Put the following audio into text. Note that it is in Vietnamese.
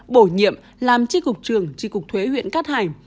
bổ nhiệm làm tri cục trường tri cục thuế huyện cát hải